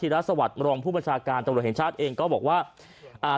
ทีระสาวทมรองปุพัญชาการทรศักดิ์แห่งชาติเองก็บอกว่า